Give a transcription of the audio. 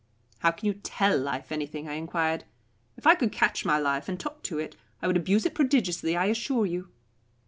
"How can you 'tell life' anything?" I enquired. "If I could catch my life and talk to it, I would abuse it prodigiously, I assure you."